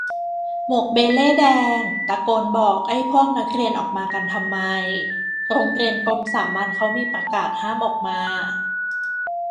หมวกเบเล่ต์แดง ตะโกนบอกไอ้พวกนักเรียนออกมากันทำไม โรงเรียนกรมสามัญเค้ามีประกาศห้ามออกมา